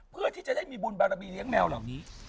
เพื่อที่จะได้มีบุญบารมีเลี้ยแมวเหล่านี้